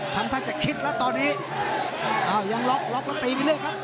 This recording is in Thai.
ทั้งท่านจะคิดแล้วตอนนี้อ้าวยังล็อคล็อคแล้วตีกันเลยครับ